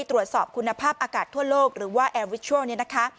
ตรวจสอบคุณภาพอากาศทั่วโลกหรือว่าแอร์วิชชัวร์